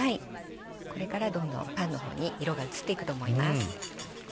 これからどんどんパンの方に色が移っていくと思います。